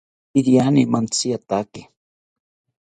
Iriani mantziataki